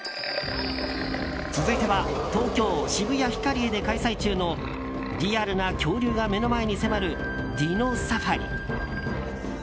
続いては東京・渋谷ヒカリエで開催中のリアルな恐竜が目の前に迫るディノサファリ。